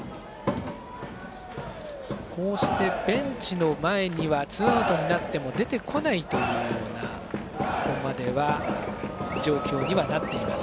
こうしてベンチの前にはツーアウトになっても出てこないというようなここまでは状況にはなっています。